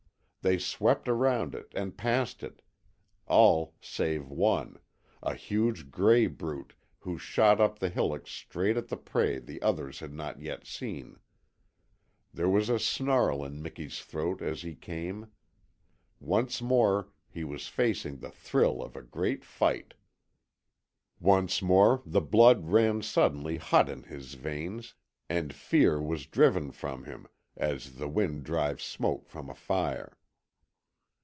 They swept around it and past it, all save one a huge gray brute who shot up the hillock straight at the prey the others had not yet seen. There was a snarl in Miki's throat as he came. Once more he was facing the thrill of a great fight. Once more the blood ran suddenly hot in his veins, and fear was driven from him as the wind drives smoke from a fire.